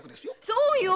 そうよ。